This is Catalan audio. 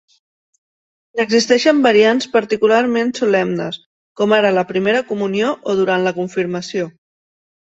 N'existeixen variants particularment solemnes, com ara la primera comunió o durant la confirmació.